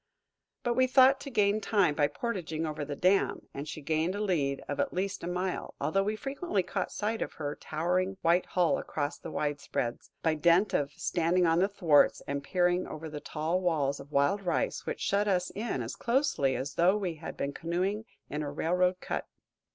But we thought to gain time by portaging over the dam, and she gained a lead of at least a mile, although we frequently caught sight of her towering white hull across the widespreads, by dint of standing on the thwarts and peering over the tall walls of wild rice which shut us in as closely as though we had been canoeing in a railroad cut.